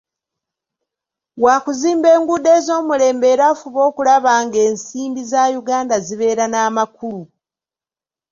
Waakuzimba enguudo ez'omulembe era afube okulaba ng'ensimbi za Uganda zibeera n'amakulu.